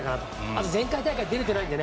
あと、前回大会出ていないので